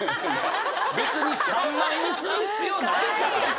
別に３枚にする必要ないから。